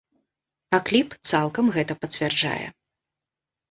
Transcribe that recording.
А кліп цалкам гэта пацвярджае.